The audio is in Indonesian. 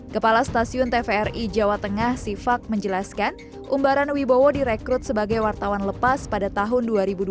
kepala stasiun tvri jawa tengah sifak menjelaskan umbaran wibowo direkrut sebagai wartawan lepas pada tahun dua ribu dua puluh